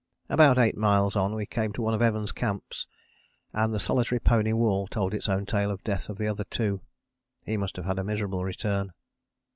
About eight miles on we came to one of Evans' camps and the solitary pony wall told its own tale of the death of the other two. He must have had a miserable return.